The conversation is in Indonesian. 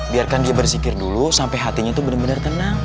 biarkan dia bersikir dulu sampai hatinya tuh bener bener tenang